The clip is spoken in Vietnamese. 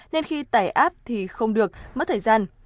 nên khi tải app thì không được mất thời gian